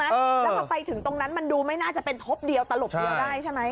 แล้วพอไปถึงตรงนั้นมันดูไม่น่าจะเป็นทบเดียวตลบเดียวได้ใช่ไหม